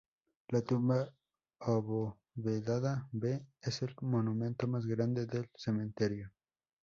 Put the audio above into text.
La tumba abovedada B es el monumento más grande del cementerio.